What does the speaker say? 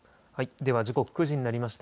では時刻９時になりました。